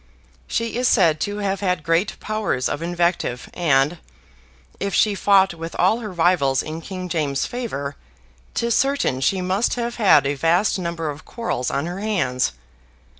She is said to have had great powers of invective and, if she fought with all her rivals in King James's favor, 'tis certain she must have had a vast number of quarrels on her hands.